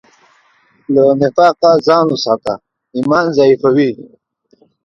له نفاقه ځان وساته، ایمان ضعیفوي.